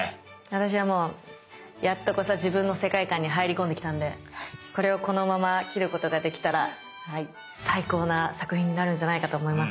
私はもうやっとこさ自分の世界観に入り込んできたんでこれをこのまま切ることができたら最高な作品になるんじゃないかと思います。